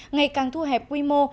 ngày càng thu hẹp quy mô